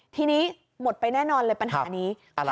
ทีนี้หมดไปแน่นอนเลยปัญหานี้